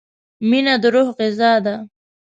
• مینه د روح غذا ده.